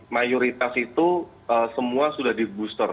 mayoritas itu semua sudah di booster